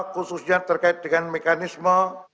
khususnya terkait dengan mekanisme